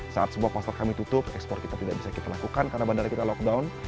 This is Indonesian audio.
saat semua pasar kami tutup ekspor kita tidak bisa kita lakukan karena bandara kita lockdown